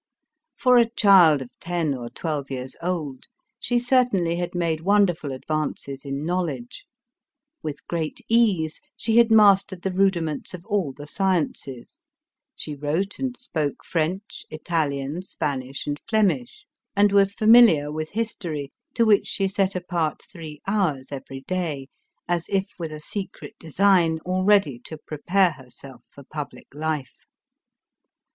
For a child of ten or twelve years old, she certainly had made wonderful advances in knowledge; with great ease, she had mastered the rudiments of all the sciences ; she wrote and spoke French, Italian, Span ish, and Flemish, and was familiar with history, to which she set apart three hours every day, as if with a secret design already to prepare herself for public life.